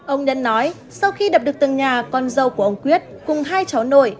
ông nhân nói sau khi đập được tầng nhà con dâu của ông quyết cùng hai cháu nội